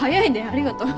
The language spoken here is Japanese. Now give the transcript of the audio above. ありがとう。